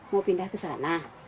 mau pindah kesana